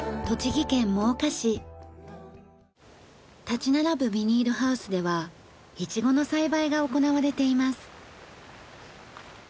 立ち並ぶビニールハウスではイチゴの栽培が行われています。